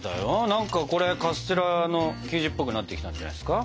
何かこれカステラの生地っぽくなってきたんじゃないですか？